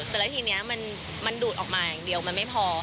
แล้วทีนี้มันดูดออกมาอย่างเดียวมันไม่พอ